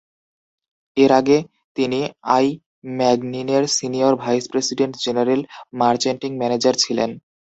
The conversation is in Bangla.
এর আগে তিনি আই. ম্যাগনিনের senior vice president, general merchandising manager ছিলেন।